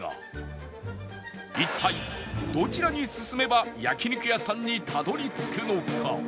一体どちらに進めば焼肉屋さんにたどり着くのか？